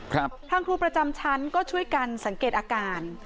ทางครูประจำชั้นก็ช่วยกันสังเกตอาการ